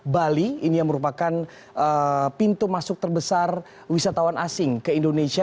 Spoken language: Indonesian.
bali ini yang merupakan pintu masuk terbesar wisatawan asing ke indonesia